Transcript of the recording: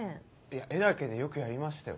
いや「え？」だけでよくやりましたよ。